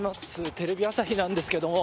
テレビ朝日なんですけれども。